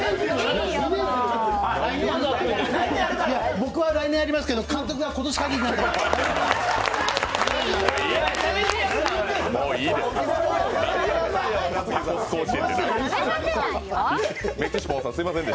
僕は来年ありますけど監督は今年限りなんで。